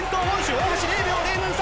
大橋０秒０７差！